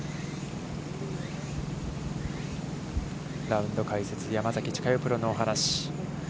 ラウンド解説、山崎千佳代プロのお話。